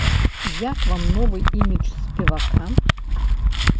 Як вам новы імідж спевака?